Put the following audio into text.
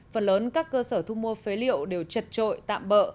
phần lớn các cơ sở thu mua phế liệu đều chật trội tạm bỡ